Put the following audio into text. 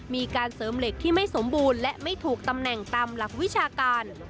มีการเสริมเหล็กที่ไม่สมบูรณ์และไม่ถูกตำแหน่งตามหลักวิชาการ